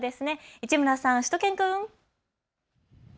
市村さん、しゅと犬くん。